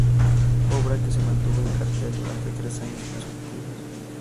Obra que se mantuvo en cartel durante tres años consecutivos.